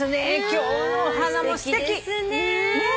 今日のお花もすてき。